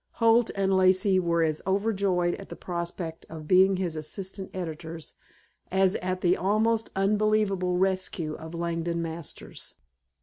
Holt and Lacey were as overjoyed at the prospect of being his assistant editors as at the almost unbelievable rescue of Langdon Masters.